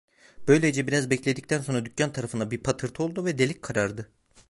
Böylece biraz bekledikten sonra dükkan tarafında bir patırtı oldu ve delik karardı.